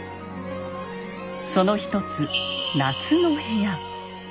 その一つ夏の部屋。